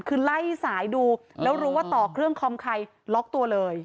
คือไล่สายดูแล้วรู้ว่าต่อเครื่องคอมใครล็อกตัวเลย